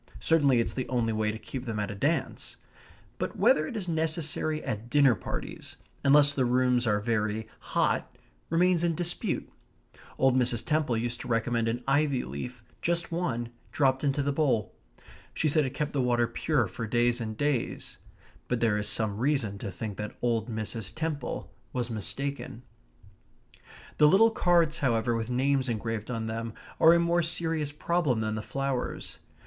Certainly it's the only way to keep them at a dance; but whether it is necessary at dinner parties, unless the rooms are very hot, remains in dispute. Old Mrs. Temple used to recommend an ivy leaf just one dropped into the bowl. She said it kept the water pure for days and days. But there is some reason to think that old Mrs. Temple was mistaken. The little cards, however, with names engraved on them, are a more serious problem than the flowers.